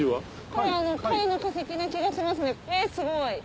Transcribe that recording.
これ貝の化石な気がしますねえすごい！